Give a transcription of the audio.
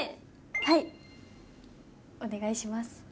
はいお願いします。